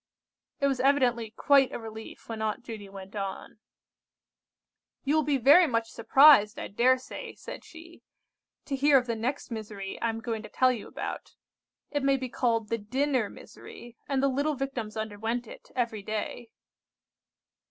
It was evidently quite a relief when Aunt Judy went on:— "You will be very much surprised, I dare say," said she, "to hear of the next misery I am going to tell you about. It may be called the dinner misery, and the little Victims underwent it every day."